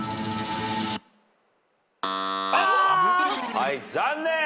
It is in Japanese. はい残念。